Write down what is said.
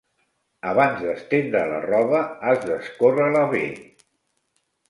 Abans d'estendre la roba, has d'escórrer-la bé.